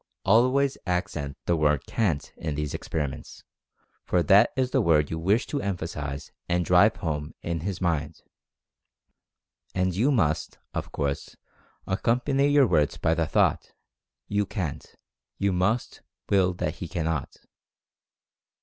Always accent the word "Can't" in these experi ments, for that is the word you wish to emphasize and drive home in his mind. And you must, of course, ac company your words by the thought, "You CAN'T" — you must WILL that he cannot.